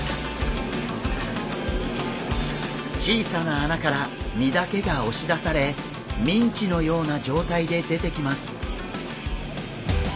小さな穴から身だけが押し出されミンチのような状態で出てきます。